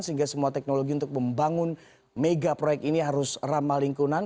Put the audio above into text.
sehingga semua teknologi untuk membangun mega proyek ini harus ramah lingkungan